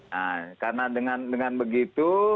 nah karena dengan begitu